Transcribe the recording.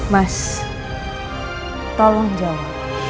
mas tolong jawab